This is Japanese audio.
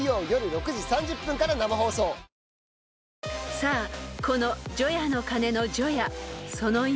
［さあこの］